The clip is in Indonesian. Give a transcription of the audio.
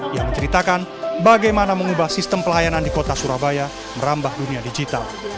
yang menceritakan bagaimana mengubah sistem pelayanan di kota surabaya merambah dunia digital